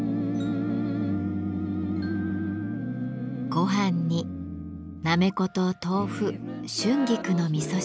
ごはんになめこと豆腐春菊のみそ汁。